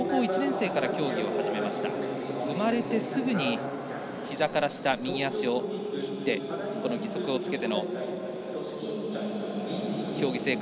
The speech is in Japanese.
生まれてすぐにひざから下右足を切って義足をつけての競技生活。